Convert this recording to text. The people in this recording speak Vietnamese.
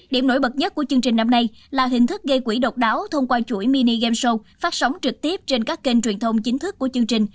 điểm nổi bật nhất của chương trình năm nay là hình thức gây quỹ độc đáo thông qua chuỗi mini game show phát sóng trực tiếp trên các kênh truyền thông chính thức của chương trình